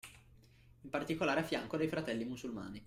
In particolare a fianco dei fratelli musulmani